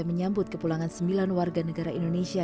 menyambut ke pulangan sembilan warga negara indonesia